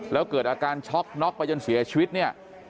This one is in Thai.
แล้วเกิดอาการช็อกน็อกไปจนเสียชีวิตเนี่ย